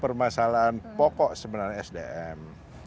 permasalahan pokok sebenarnya sdm